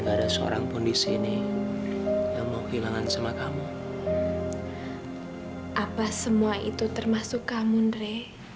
gak ada seorang pun di sini yang mau hilangkan sama kamu apa semua itu termasuk kamu ndre